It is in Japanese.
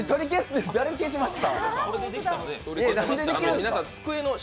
誰消しました？